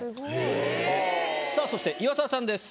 そして岩沢さんです